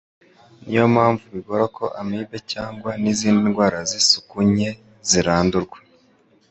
niyo mpamvu bigora ko Amibe cyangwa n'izindi ndwara z'isuku nke zirandurwa.